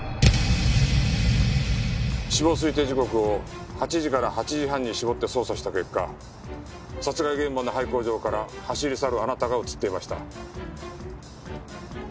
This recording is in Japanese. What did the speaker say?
死亡推定時刻を８時から８時半に絞って捜査した結果殺害現場の廃工場から走り去るあなたが映っていました。